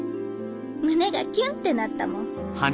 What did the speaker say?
胸がキュンってなったもん。